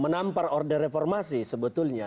menampar order reformasi sebetulnya